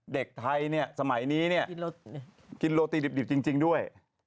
เด็กไทยเนี่ยสมัยนี้เนี่ยกินโรตีดิบจริงด้วย